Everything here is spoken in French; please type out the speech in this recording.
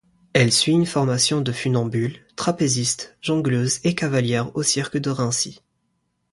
Elle suit une formation de funambule, trapéziste, jongleuse et cavalière au cirque de Rancy.